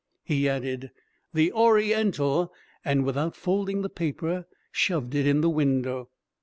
He added "The Oriental," and without folding the paper shoved it in the window.